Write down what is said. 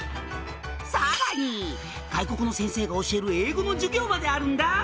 「さらに外国の先生が教える英語の授業まであるんだ」